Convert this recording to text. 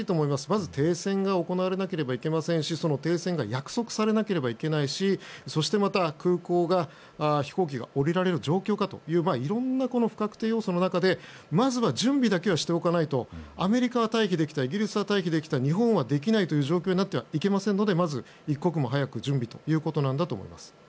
まず停戦が行われなければいけませんしその停戦が約束されなければいけないしそしてまた、空港が飛行機が下りられる状況かといろんな不確定要素の中でまずは準備だけはしておかないとアメリカ退避できたイギリスは退避できた日本はできない、という状況ではいけませんのでまず一刻も早く準備だということだと思います。